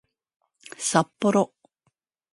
さっぽろ